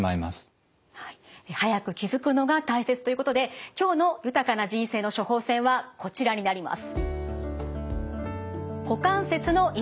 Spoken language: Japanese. はい早く気付くのが大切ということで今日の「豊かな人生の処方せん」はこちらになります。